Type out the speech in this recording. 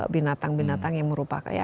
binatang binatang yang merupakan